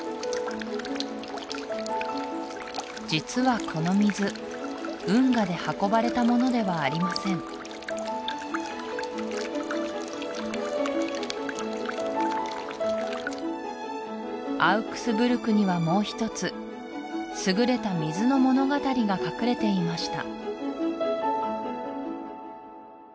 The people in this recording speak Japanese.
実はこの水運河で運ばれたものではありませんアウクスブルクにはもう一つ優れた水の物語が隠れていました